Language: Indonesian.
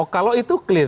kalau itu clear